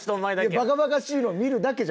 バカバカしいのを見るだけじゃ。